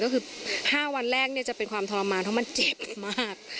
ก็คือ๕วันแรกจะเป็นความทรมานเพราะมันเจ็บมาก